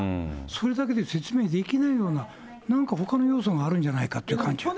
それだけで説明できないような、なんか、ほかの要素があるんじゃないかって感じが。